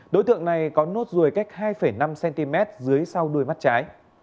đối tượng này có nốt ruồi cách hai năm cm dưới sau đuôi mắt trái